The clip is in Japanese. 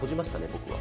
僕は。